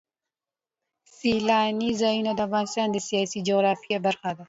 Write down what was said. سیلانی ځایونه د افغانستان د سیاسي جغرافیه برخه ده.